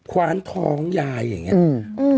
คว้านท้องยายอย่างนี้